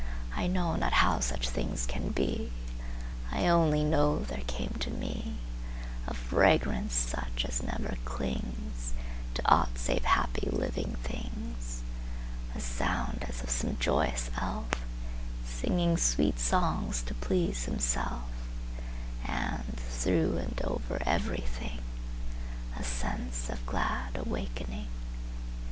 I know not how such things can be;I only know there came to meA fragrance such as never clingsTo aught save happy living things;A sound as of some joyous elfSinging sweet songs to please himself, And, through and over everything,A sense of glad awakening.